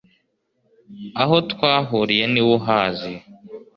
Aho twahuriye niwe uhazi